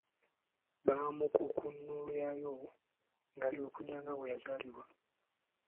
Baamukukunulayo ng’ali bukunya nga bweyazaalibwa.